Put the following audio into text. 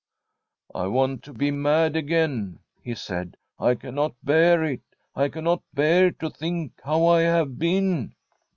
' I want to be mad again/ he said. ' I cannot bear it. I cannot bear to think how I have been.'